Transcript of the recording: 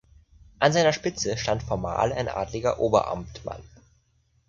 An seiner Spitze stand formal ein adliger Oberamtmann.